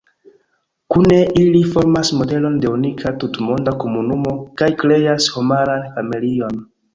Kune ili formas modelon de unika tutmonda komunumo, kaj kreas homaran familion.